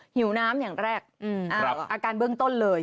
หิวน้ำอย่างแรกอาการเบื้องต้นเลย